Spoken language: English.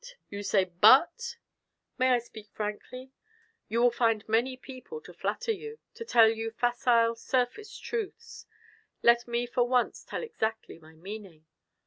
You say but?" "May I speak frankly? You will find many people to flatter you, to tell you facile, surface truths; let me for once tell exactly my meaning.